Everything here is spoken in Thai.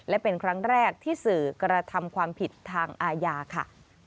และเป็นครั้งแรกที่สื่อกระทำความผิดทางอาญาค่ะ